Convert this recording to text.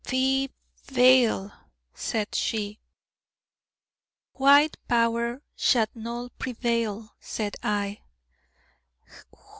'Pe vvvail,' said she. 'White Power shall not prevail,' said I.